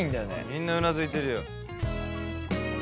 みんなうなずいてるよ。